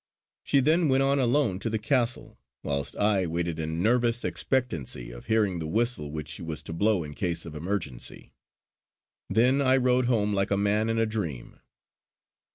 She then went on alone to the Castle, whilst I waited in nervous expectancy of hearing the whistle which she was to blow in case of emergency. Then I rode home like a man in a dream.